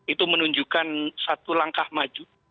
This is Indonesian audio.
itu menunjukkan satu langkah maju